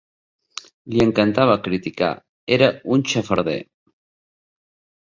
Li encantava criticar, era un xafarder.